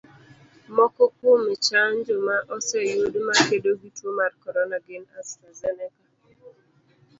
Moko kuom chanjo ma oseyud ma kedo gi tuo mar corona gin Astrazeneca,